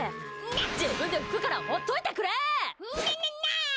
自分で拭くからほっといてくれ！